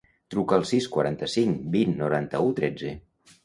Truca al sis, quaranta-cinc, vint, noranta-u, tretze.